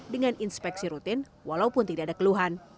dengan inspeksi rutin walaupun tidak ada keluhan